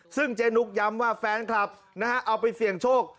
ซึ่งเจนุ๊กย้ำว่าแฟนคลับนะฮะเอาไปเสี่ยงโชค